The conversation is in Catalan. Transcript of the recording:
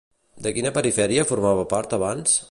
De quina perifèria formava part abans?